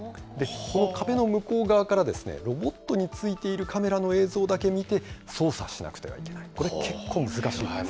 この壁の向こう側からですね、ロボットについているカメラの映像だけ見て、操作しなくてはいけない、これ、結構難しいんです。